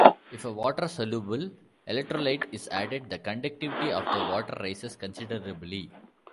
If a water-soluble electrolyte is added, the conductivity of the water rises considerably.